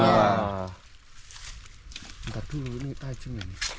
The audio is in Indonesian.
oh kurang bawah